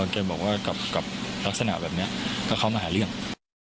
แกบอกว่ากับลักษณะแบบนี้ถ้าเขามาหาเรื่อง